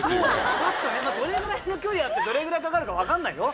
どれぐらいの距離あってどれぐらいかかるかわからないよ。